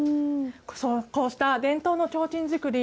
こうした伝統のちょうちん作り